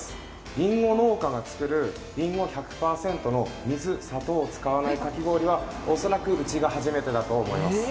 りんご農家が作るりんご１００％の水、砂糖を使わないかき氷はおそらくうちが初だと思います。